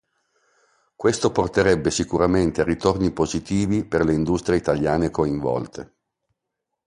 Questo porterebbe sicuramente a ritorni positivi per le industrie italiane coinvolte.